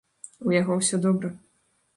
У яго ўсё добра.